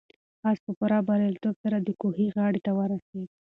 آس په پوره بریالیتوب سره د کوهي غاړې ته ورسېد.